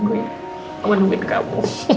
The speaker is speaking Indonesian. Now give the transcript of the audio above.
aku ingin menunggu kamu